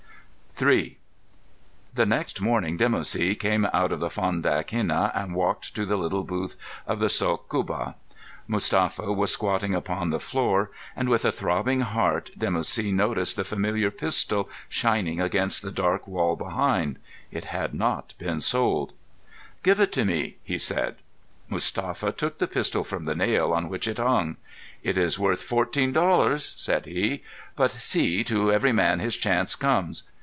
III The next morning Dimoussi came out of the Fondak Henna and walked to the little booth in the Sôk Kubba. Mustapha was squatting upon the floor, and with a throbbing heart Dimoussi noticed the familiar pistol shining against the dark wall behind. It had not been sold. "Give it to me," he said. Mustapha took the pistol from the nail on which it hung. "It is worth fourteen dollars," said he. "But, see, to every man his chance comes.